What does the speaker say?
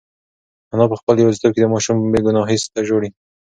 انا په خپل یوازیتوب کې د ماشوم بې گناهۍ ته ژاړي.